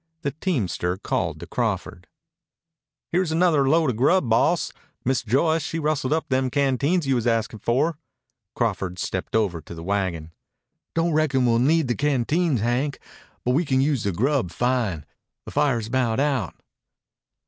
The teamster called to Crawford. "Here's another load o' grub, boss. Miss Joyce she rustled up them canteens you was askin' for." Crawford stepped over to the wagon. "Don't reckon we'll need the canteens, Hank, but we can use the grub fine. The fire's about out."